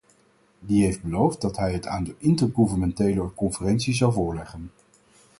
Die heeft beloofd dat hij het aan de intergouvernementele conferentie zou voorleggen.